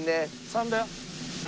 ３だよ。